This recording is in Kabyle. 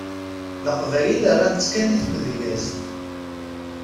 Leqbayel rran-ttkan i tmedyezt.